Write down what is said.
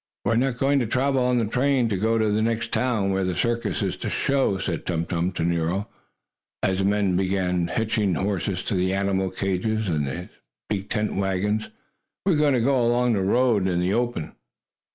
"We are not going to travel on the train to go to the next town where the circus is to show," said Tum Tum to Nero, as the men began hitching horses to the animal cages and the big tent wagons. "We are to go along the road, in the open."